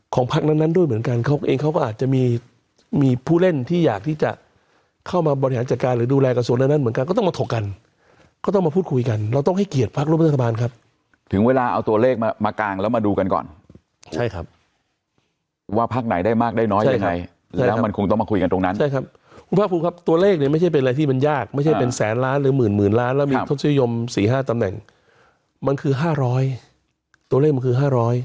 ของพรรคนั้นด้วยเหมือนกันเขาเองเขาก็อาจจะมีมีผู้เล่นที่อยากที่จะเข้ามาบริหารจัดการหรือดูแลกับส่วนนั้นเหมือนกันก็ต้องมาถกกันก็ต้องมาพูดคุยกันเราต้องให้เกียรติพรรครุมเศรษฐบาลครับถึงเวลาเอาตัวเลขมากลางแล้วมาดูกันก่อนใช่ครับว่าพรรคไหนได้มากได้น้อยยังไงแล้วมันคงต้องมาคุยกันตรงน